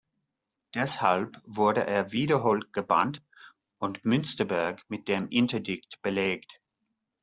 Deshalb wurde er wiederholt gebannt und Münsterberg mit dem Interdikt belegt.